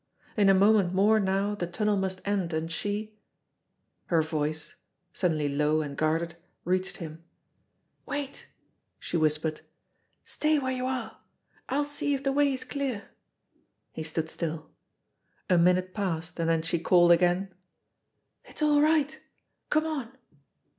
In a moment more now the tunnel must end, and she Her voice, suddenly low and guarded, reached him. "Wait!" she whispered. "Stay where you are. I'll see if the way is clear." He stood still. A minute passed, and then she called again: "It's all right. Come on